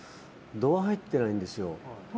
度は入ってないんですよ。